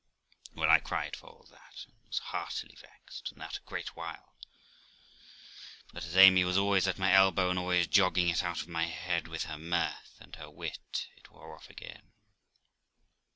Well, I cried for all that, and was heartily vexed, and that a great while; but, as Amy was always at my elbow, and always jogging it out of my head with her mirth and her wit, it wore off again.